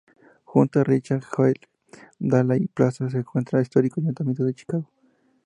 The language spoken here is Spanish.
Junto al Richard J. Daley Plaza se encuentra el histórico Ayuntamiento de Chicago.